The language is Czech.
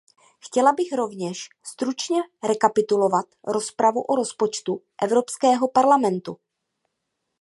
Chtěla bych rovněž stručně rekapitulovat rozpravu o rozpočtu Evropského parlamentu.